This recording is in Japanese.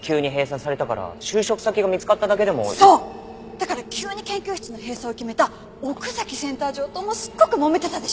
だから急に研究室の閉鎖を決めた奥崎センター長ともうすっごくもめてたでしょ。